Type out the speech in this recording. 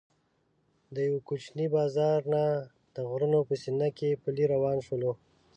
د یوه کوچني بازار نه د غرونو په سینه کې پلی روان شولو.